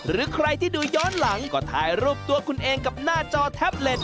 หรือใครที่ดูย้อนหลังก็ถ่ายรูปตัวคุณเองกับหน้าจอแท็บเล็ต